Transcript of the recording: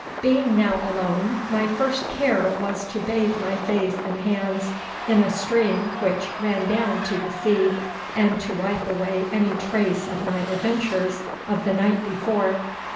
Being now alone, my first care was to bathe my face and hands in a stream which ran down to the sea, and to wipe away any trace of my adventures of the night before.